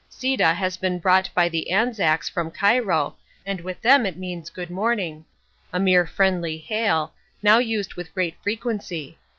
"Sieda" has been brought by the Anzacs from Cairo, and with them it means "Good morning!" a mere friendly hail, now used with great frequency.